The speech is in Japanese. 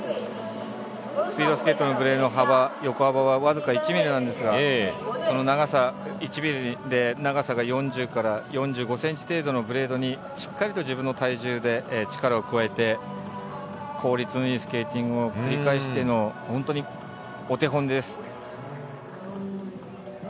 スピードスケートのブレードの幅横幅はわずか１ｍｍなんですが長さが４０から４５ｃｍ程度のブレードにしっかりと自分の体重で力を加えて効率のいいスケーティングを繰り返してのお手本です。